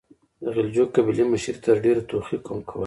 د غلجيو قبيلې مشري تر ډيرو توخي قوم کوله.